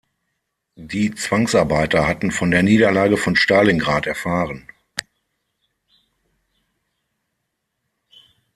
Die Zwangsarbeiter hatten von der Niederlage von Stalingrad erfahren.